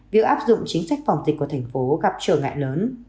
việc áp dụng chính sách phòng dịch của thành phố gặp trở ngại lớn